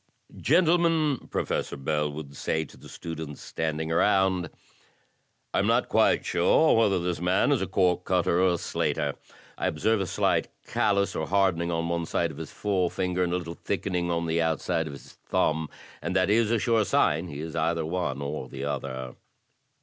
"Gentlemen," Professor Bell would say to the students standing aroxmd, "I am not quite sure whether this man is a cork cutter or a slater. I observe a slight callous, or harden ing, on one side of his forefinger, and a little thickening on the outside of his thumb, and that is a sure sign he is either one or the other."